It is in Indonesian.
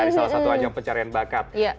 dari salah satu ajang pencarian bakat